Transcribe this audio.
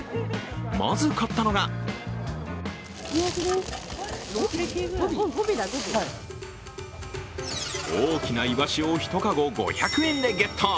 まず買ったのが大きなイワシを１籠５００円でゲット。